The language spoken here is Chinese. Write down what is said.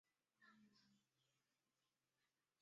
原为清代琅峤卑南道的其中一段。